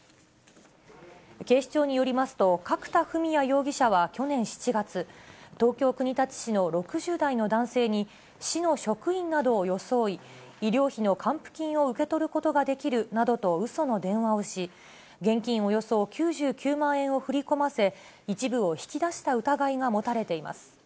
警視庁によりますと、角田郁也容疑者は去年７月、東京・国立市の６０代の男性に、市の職員などを装い、医療費の還付金を受け取ることができるなどとうその電話をし、現金およそ９９万円を振り込ませ、一部を引き出した疑いが持たれています。